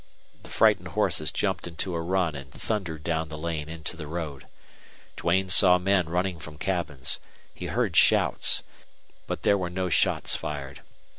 The frightened horses jumped into a run and thundered down the lane into the road. Duane saw men running from cabins. He heard shouts. But there were no shots fired.